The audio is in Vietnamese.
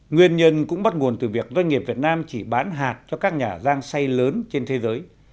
nguyên nhân cũng bắt nguồn từ việc doanh nghiệp việt nam chỉ bán hạt cho các nhà giang say lớn trên thế giới